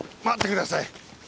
待ってください！